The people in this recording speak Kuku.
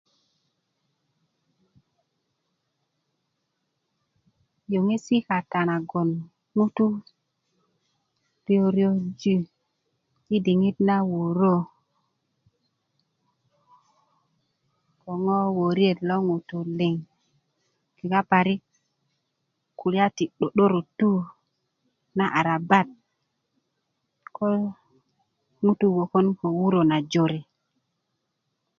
yäkesi kata nagoŋ ŋutú raraji i diŋit na wörö ko ŋo wöriayet lo ŋutú liŋ kega parik kulya ti totorotu na arabat ko ŋutú wäkän ko wörä na jore